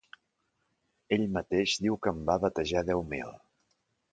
Ell mateix diu que en va batejar deu mil.